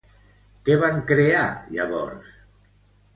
Què van crear, llavors?